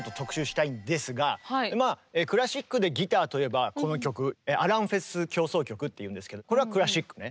クラシックでギターといえばこの曲「アランフェス協奏曲」っていうんですけどこれはクラシックね。